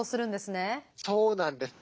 そうなんです。